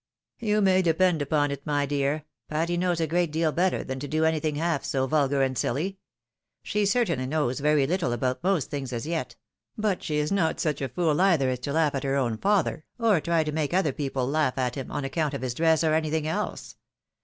" You may depend upon it, my dear, Patty knows a great deal better than to do anything half so vulgar and silly. She certainly knows very little about most things as yet ; but she is not such a fool either as to laugh at her own father, or try to make other people laugh at him on account of his dress or any thing else.